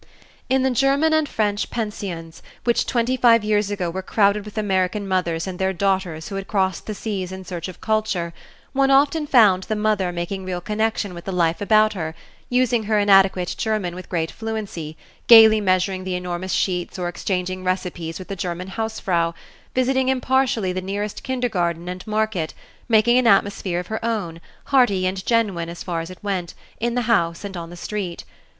In the German and French pensions, which twenty five years ago were crowded with American mothers and their daughters who had crossed the seas in search of culture, one often found the mother making real connection with the life about her, using her inadequate German with great fluency, gaily measuring the enormous sheets or exchanging recipes with the German Hausfrau, visiting impartially the nearest kindergarten and market, making an atmosphere of her own, hearty and genuine as far as it went, in the house and on the street.